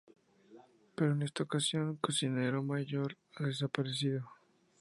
Pero en esta ocasión el Cocinero Mayor ha desaparecido.